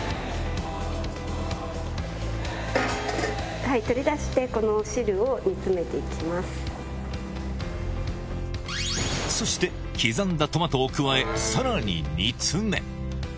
タイ、取り出して、この汁をそして、刻んだトマトを加え、さらに煮詰め。